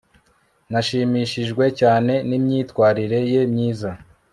nashimishijwe cyane nimyitwarire ye myiza